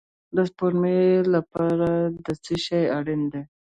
د سپوږمۍ لپاره څه شی اړین دی؟